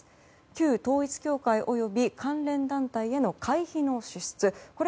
旧統一教会および関連団体への会費の支出